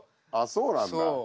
そうなんだ。